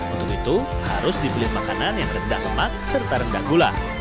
untuk itu harus dipilih makanan yang rendah lemak serta rendah gula